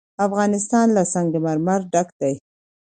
افغانستان له سنگ مرمر ډک دی.